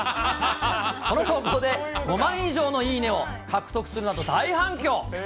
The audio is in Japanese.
この投稿で５万以上のいいねを獲得するなど、大反響。